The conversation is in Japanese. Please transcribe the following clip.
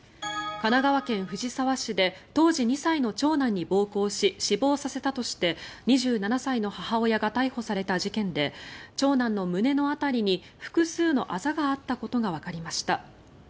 神奈川県藤沢市で当時２歳の長男に暴行し死亡させたとして２７歳の母親が逮捕された事件で長男の胸の辺りに複数のあざがあったことがわかりました。